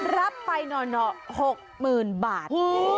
รับไปหน่อ๖๐๐๐บาท